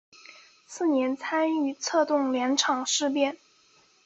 次年参与策动两广事变。